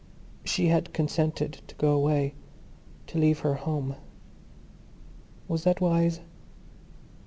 She had consented to go away, to leave her home. Was that wise?